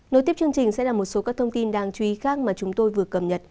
nối tiếp chương trình sẽ là một số các thông tin đáng chú ý khác mà chúng tôi vừa cập nhật